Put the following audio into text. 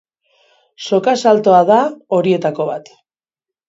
Soka-saltoa da horietako bat.